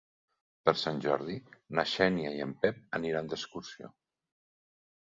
Per Sant Jordi na Xènia i en Pep aniran d'excursió.